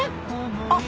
あっ。